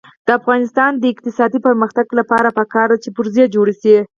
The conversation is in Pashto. د افغانستان د اقتصادي پرمختګ لپاره پکار ده چې پرزې جوړې شي.